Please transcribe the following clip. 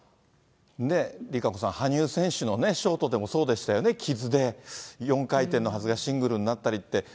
ＲＩＫＡＣＯさん、羽生選手のショートでもそうでしたよね、傷で、４回転のはずがシングルになったりって。